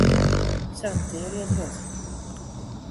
Selektearje it wurd.